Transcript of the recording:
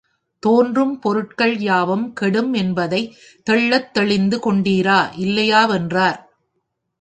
தோற்றும் பொருட்கள் யாவும் கெடும் என்பதைத் தெள்ளறத் தெளிந்து கொண்டீரா இல்லையாவென்றார்.